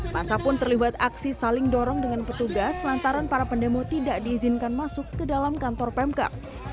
masa pun terlibat aksi saling dorong dengan petugas lantaran para pendemo tidak diizinkan masuk ke dalam kantor pemkap